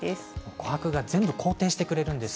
琥珀が全部肯定してくれるんです。